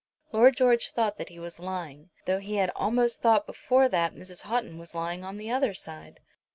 Lord George thought that he was lying, though he had almost thought before that Mrs. Houghton was lying on the other side.